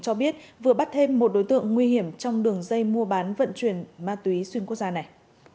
cho biết vừa bắt thêm một đối tượng nguy hiểm trong đường dây mua bán vận chuyển ma túy xuyên quốc gia này